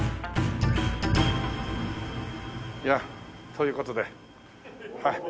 いやという事で。